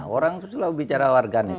orang selalu bicara warganet